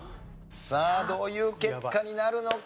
さあどういう結果になるのか？